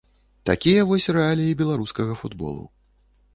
Такія вось рэаліі беларускага футболу.